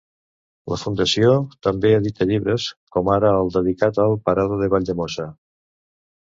La Fundació també edita llibres, com ara el dedicat al Parado de Valldemossa.